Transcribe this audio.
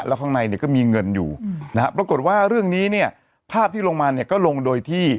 แล้วข้างในเนี่ยก็มีเงินอยู่นะฮะปรากฏว่าเรื่องนี้เนี่ยภาพที่ลงมาเนี่ยก็ลงโดยที่